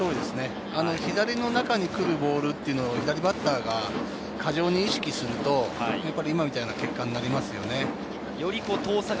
中に来るボールというのは左バッターが過剰に意識すると、今のような結果になりますね。